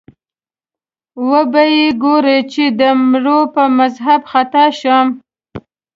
وبه یې ګورې چې د مړو په مذهب خطا شم